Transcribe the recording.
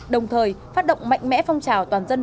đồng thời phát động mạnh mẽ phong trào toàn dân